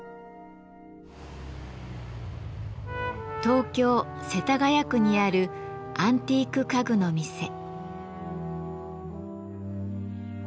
東京・世田谷区にあるアンティーク家具の店。